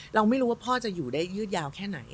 เราไม่รู้ว่าพ่อจะอยู่ได้ยืดยาวแค่ไหน